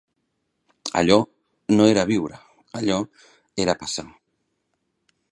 Allò no era viure: allò era passar.